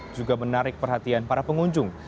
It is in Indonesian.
juga menarik perhatian para pengunjung